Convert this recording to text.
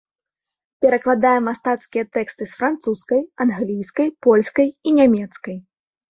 Перакладае мастацкія тэксты з французскай, англійскай, польскай і нямецкай.